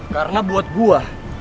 karena buat gue